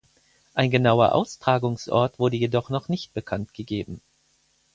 Ein genauer Austragungsort wurde jedoch nicht bekanntgegeben.